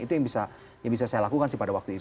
itu yang bisa saya lakukan sih pada waktu itu